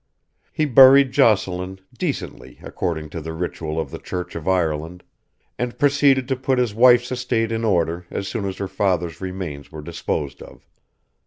He buried Jocelyn decently according to the ritual of the Church of Ireland, and proceeded to put his wife's estate in order as soon as her father's remains were disposed of.